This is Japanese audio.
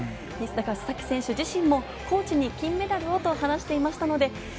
須崎選手自身もコーチに金メダルをと話していました。